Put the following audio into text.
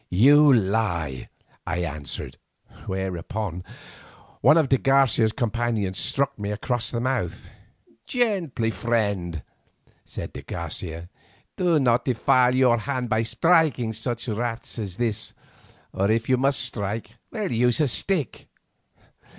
"You lie," I answered; whereon one of De Garcia's companions struck me across the mouth. "Gently, friend," said de Garcia; "do not defile your hand by striking such rats as this, or if you must strike, use a stick.